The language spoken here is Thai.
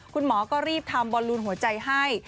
คุณหมอก็รีบทำบอลลูนหัวใจให้